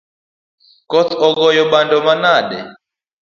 Koth ogoyo bando manade?